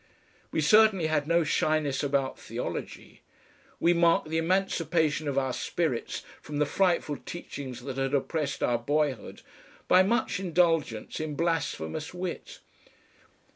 We certainly had no shyness about theology. We marked the emancipation of our spirits from the frightful teachings that had oppressed our boyhood, by much indulgence in blasphemous wit.